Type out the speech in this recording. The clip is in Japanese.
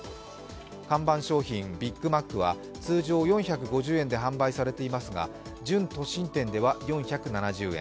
看板商品、ビッグマックは通常４５０円で販売されていますが準都心店では４７０円